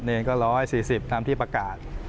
เองก็๑๔๐ตามที่ประกาศ